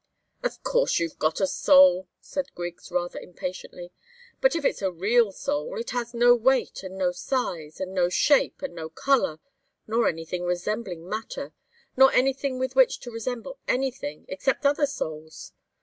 "Of course you've got a soul," said Griggs, rather impatiently. "But if it's a real soul, it has no weight and no size, and no shape and no colour, nor anything resembling matter nor anything with which to resemble anything, except other souls.